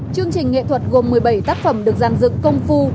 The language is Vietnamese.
chương trình nghệ thuật gồm một mươi bảy tác phẩm được dàn dựng công phu